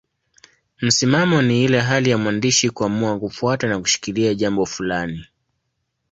Msimamo ni ile hali ya mwandishi kuamua kufuata na kushikilia jambo fulani.